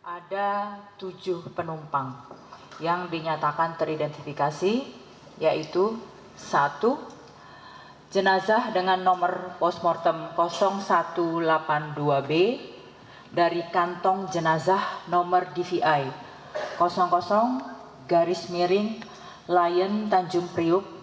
ada tujuh penumpang yang dinyatakan teridentifikasi yaitu satu jenazah dengan nomor postmortem satu ratus delapan puluh dua b dari kantong jenazah nomor dvi lion tanjung priuk satu ratus delapan puluh dua